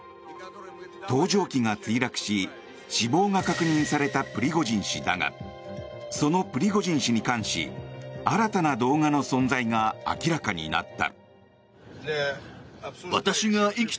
搭乗機が墜落し死亡が確認されたプリゴジン氏だがそのプリゴジン氏に関し新たな動画の存在が明らかになった。